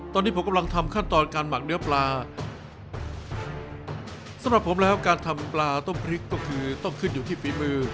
ตอนนี้ผมกำลังทำขั้นตอนการหมักเนื้อปลาสำหรับผมแล้วการทำปลาต้มพริกก็คือต้องขึ้นอยู่ที่ฝีมือ